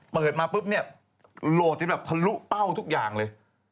เปิดมาปุ๊บเนี่ยโหลดที่แบบทะลุเป้าทุกอย่างเลย